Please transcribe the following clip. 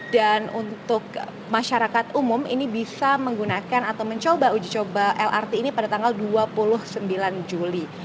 dan untuk masyarakat umum ini bisa menggunakan atau mencoba uji coba lrt ini pada tanggal dua puluh sembilan juli